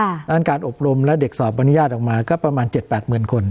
ดังนั้นการอบรมและเด็กสอบบรรยาตรออกมาก็ประมาณ๗๘หมื่นคน